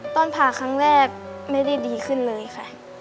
ตอนผ่าครั้งแรกไม่ได้ดีขึ้นเลยค่ะ